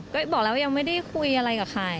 ก็บอกแล้วยังไม่ได้คุยอะไรกับใคร